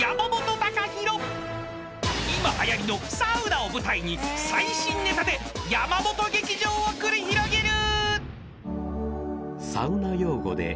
［今はやりのサウナを舞台に最新ネタで山本劇場を繰り広げる！］